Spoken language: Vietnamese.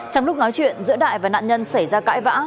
trong lúc nói chuyện giữa đại và nạn nhân xảy ra cãi vã